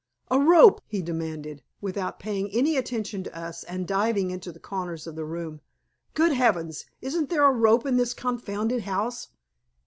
"A rope!" he demanded, without paying any attention to us and diving into corners of the room. "Good heavens, isn't there a rope in this confounded house!"